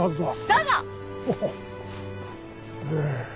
どうぞ！